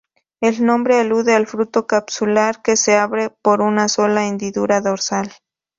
El nombre alude al fruto capsular que se abre por una sola hendidura dorsal.